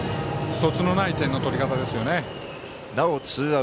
そつのない、点の取り方ですよね。